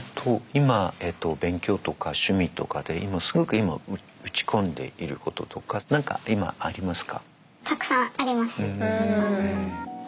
今勉強とか趣味とかですごく今打ち込んでいることとか何か今ありますか？